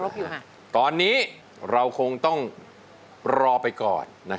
ตอนนี้เราคงต้องรอไปก่อน